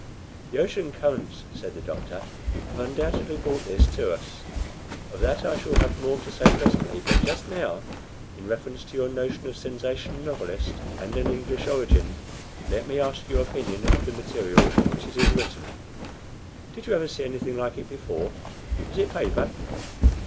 "The ocean currents," said the doctor, "have undoubtedly brought this to us. Of that I shall have more to say presently but just now, in reference to your notion of a sensation novelist, and an English origin, let me ask your opinion of the material on which it is written. Did you ever see anything like it before? Is it paper?"